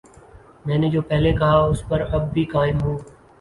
میں نے جو پہلے کہا ،اس پر اب بھی قائم ہوں